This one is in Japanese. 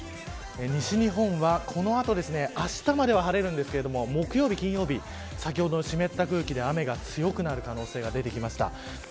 西日本はこの後あしたまでは晴れるんですが木曜日、金曜日、先ほどの湿った空気で雨が強くなる可能性が出てきました。